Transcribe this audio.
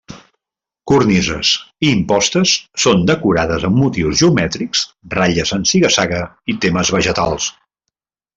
Cornises i impostes són decorades amb motius geomètrics, ratlles en ziga-zaga i temes vegetals.